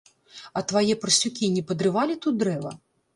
А твае парсюкі не падрывалі тут дрэва?